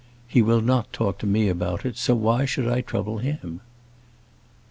He will not talk to me about it, so why should I trouble him?"